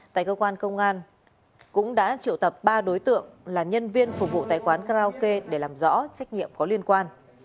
tại cơ quan công an cũng đã triệu tập ba đối tượng là nhân viên phục vụ tại quán karaoke để làm rõ trách nhiệm có liên quan